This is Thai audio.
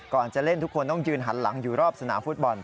ก่อนจะเล่นทุกคนต้องยืนหันหลังอยู่รอบสนามฟุตบอล